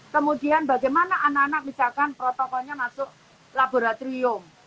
kemudian bagaimana anak anak misalkan protokolnya masuk laboratorium